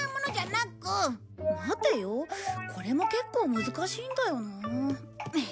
待てよこれも結構難しいんだよな。